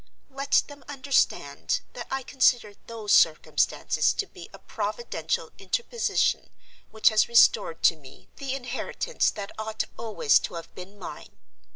Let them understand that I consider those circumstances to be a Providential interposition which has restored to me the inheritance that ought always to have been mine.